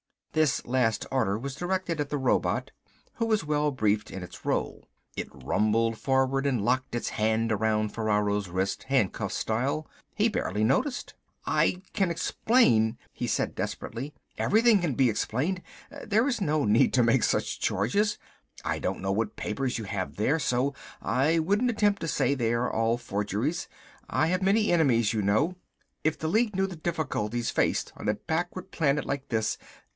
This last order was directed at the robot who was well briefed in its role. It rumbled forward and locked its hand around Ferraro's wrist, handcuff style. He barely noticed. "I can explain," he said desperately. "Everything can be explained. There is no need to make such charges. I don't know what papers you have there, so I wouldn't attempt to say they are all forgeries. I have many enemies you know. If the League knew the difficulties faced on a backward planet like this...."